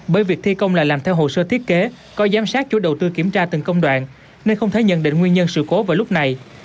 bởi việc thi công là làm theo hồ sơ thiết kế có giám sát chủ đầu tư kiểm tra từng công đoạn nên không thể nhận định nguyên nhân sự cố vào lúc này